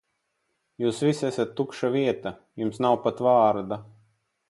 Jūs visi esat tukša vieta, jums nav pat vārda.